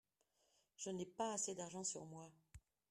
Je n'ai pas assez d'argent sur moi.